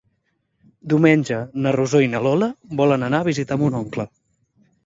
Diumenge na Rosó i na Lola volen anar a visitar mon oncle.